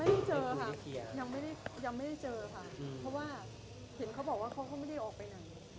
ไม่เจอค่ะยังไม่ได้เจอค่ะเพราะว่าเห็นเขาบอกว่าเขาไม่ได้ออกไปไหน